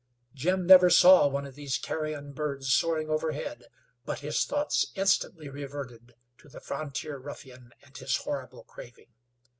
Jim never saw one of these carrion birds soaring overhead but his thoughts instantly reverted to the frontier ruffian and his horrible craving.